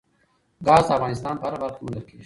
ګاز د افغانستان په هره برخه کې موندل کېږي.